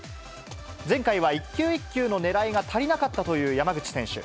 前回は一球一球の狙いが足りなかったという山口選手。